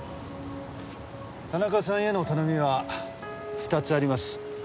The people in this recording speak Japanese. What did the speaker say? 田中さんへの頼みは２つあります。